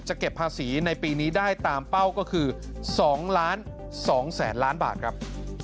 เก็บภาษีในปีนี้ได้ตามเป้าก็คือ๒๒๐๐๐ล้านบาทครับ